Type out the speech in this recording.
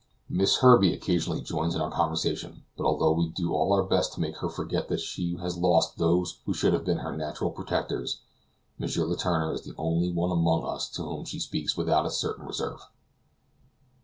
Miss Herbey occasionally joins in our conversation, but although we all do our best to make her forget that she has lost those who should have been her natural protectors, M. Letourneur is the only one among us to whom she speaks without a certain reserve.